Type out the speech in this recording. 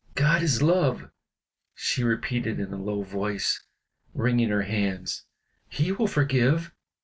"God is love," she repeated in a low voice, wringing her hands; "He will forgive.